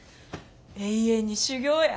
永遠に修業や。